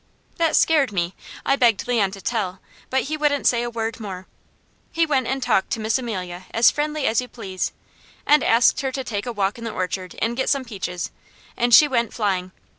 That scared me. I begged Leon to tell, but he wouldn't say a word more. He went and talked to Miss Amelia as friendly as you please, and asked her to take a walk in the orchard and get some peaches, and she went flying.